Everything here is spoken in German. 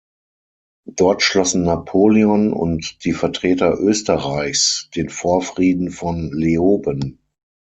Dort schlossen Napoleon und die Vertreter Österreichs den Vorfrieden von Leoben.